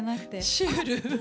シュール。